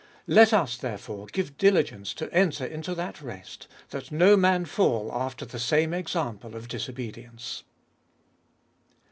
Let us, therefore, give diligence to enter into that rest, that no man fall after the same example of disobedience.